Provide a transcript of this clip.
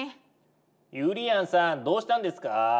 ゆりやんさんどうしたんですか？